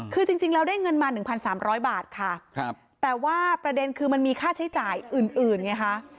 คือจริงแล้วได้เงินมา๑๓๐๐บาทค่ะแต่ว่าประเด็นคือมันมีค่าใช้จ่ายอื่นไงคะ